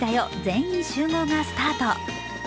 全員集合」がスタート。